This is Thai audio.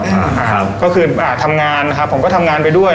อ่านะครับก็คืออ่าทำงานนะครับผมก็ทำงานไปด้วย